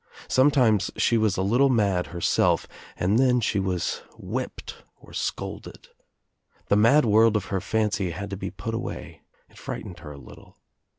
Sometimes she was a little mad herself and then she was whipped or scolded. The mad world of her fancy had to be put away. It frightened her a little.